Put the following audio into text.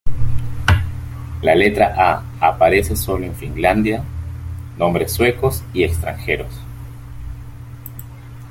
La letra å aparece sólo en Finlandia-nombres suecos y extranjeros.